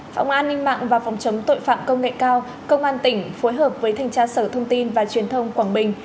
phòng an ninh mạng và phòng chống tội phạm công nghệ cao công an tỉnh phối hợp với thanh tra sở thông tin và truyền thông quảng bình